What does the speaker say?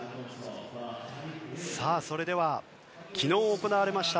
それでは昨日、行われました